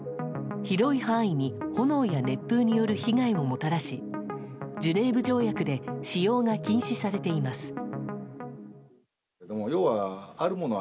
広い範囲に炎や熱風による被害をもたらしジュネーブ条約で使用が禁止されています。